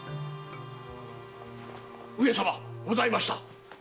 上様ございました！